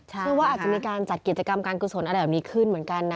เชื่อว่าอาจจะมีการจัดกิจกรรมการกุศลอะไรแบบนี้ขึ้นเหมือนกันนะ